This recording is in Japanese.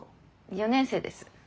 ４年生です。